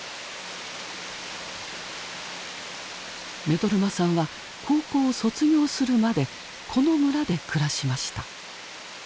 目取真さんは高校を卒業するまでこの村で暮らしました。